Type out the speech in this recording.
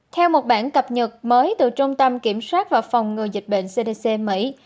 theo một bản cập nhật mới từ trung tâm kiểm soát và phòng ngừa dịch bệnh cdc mỹ